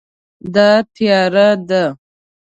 دا تیاره ده